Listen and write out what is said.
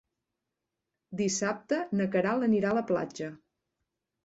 Dissabte na Queralt anirà a la platja.